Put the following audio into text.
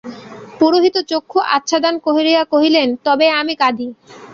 পুরোহিত চক্ষু আচ্ছাদন করিয়া কহিলেন, তবে আমি কাঁদি।